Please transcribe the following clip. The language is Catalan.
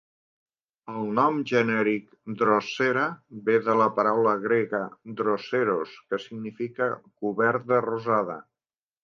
El nom genèric "Drosera" ve de la paraula grega "droseros", que significa "cobert de rosada".